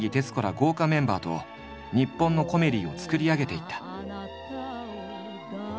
豪華メンバーと日本のコメディを作り上げていった。